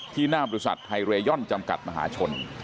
หน้าบริษัทไฮเรย่อนจำกัดมหาชน